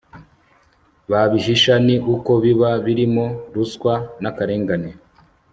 babihisha ni uko biba birimo ruswa nakarengane